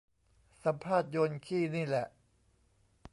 สัมภาษณ์โยนขี้นี่แหละ